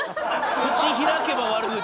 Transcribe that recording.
口開けば悪口。